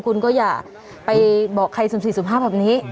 คุณก็อย่าไปบอกใครสุ่ม๔๕แบบนี้